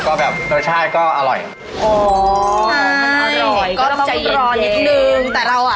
กะเพราไก่ครับชั่วโมงกว่าครับ